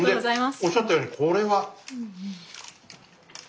おっしゃったようにこれは。